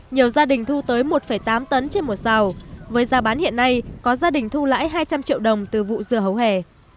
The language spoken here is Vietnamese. nhiều gia đình thu tới một tám tấn trên một sào với giá bán hiện nay có gia đình thu lãi hai trăm linh triệu đồng từ vụ dưa hấu hè